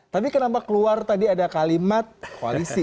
tapi kenapa keluar tadi ada kalimat koalisi